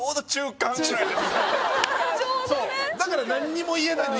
これはそうだから何にも言えないの